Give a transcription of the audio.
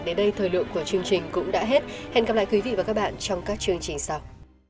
đến đây thời lượng của chương trình cũng đã hết hẹn gặp lại quý vị và các bạn trong các chương trình sau